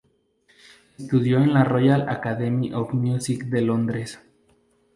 Estudió en la Royal Academy of Music de Londres.